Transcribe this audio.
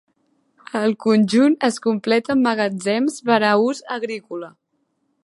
El conjunt es completa amb magatzems per a ús agrícola.